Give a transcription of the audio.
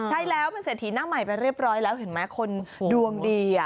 ใช่แล้วเป็นเศรษฐีหน้าใหม่ไปเรียบร้อยแล้วเห็นไหมคนดวงดี